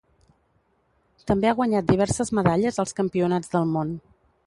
També ha guanyat diverses medalles als Campionats del món.